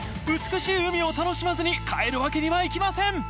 美しい海を楽しまずに帰るわけにはいきません